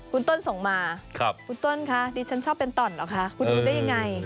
คุณต้นส่งมาคุณต้นคะดิฉันชอบเป็นต่อนเหรอคะคุณดูได้ยังไง